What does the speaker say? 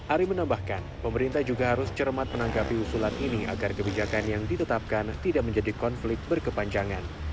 ari menambahkan pemerintah juga harus cermat menanggapi usulan ini agar kebijakan yang ditetapkan tidak menjadi konflik berkepanjangan